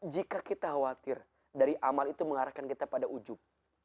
jika kita khawatir dari amal itu mengarahkan kita pada ujub